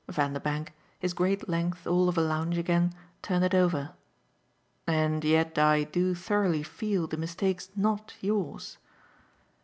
Vanderbank, his great length all of a lounge again, turned it over. "And yet I do thoroughly feel the mistake's not yours."